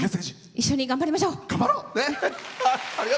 一緒に頑張りましょう！